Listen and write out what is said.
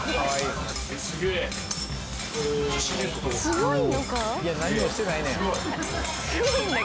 すごい。